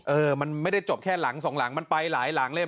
เออมันไม่ได้จบแค่หลังสองหลังมันไปหลายหลังเลย